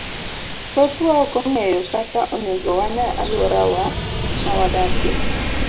Thothwa ok ong'eyo kaka onego wane alwora ma wadakie.